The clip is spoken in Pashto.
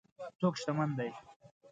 څوک شتمن دی.